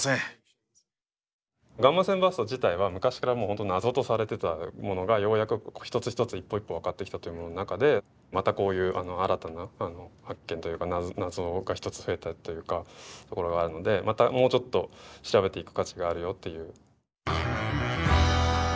ガンマ線バースト自体は昔からもう本当謎とされてたものがようやく一つ一つ一歩一歩分かってきたという中でまたこういう新たな発見というか謎が一つ増えたというかところがあるのでまたもうちょっと調べていく価値があるよっていう。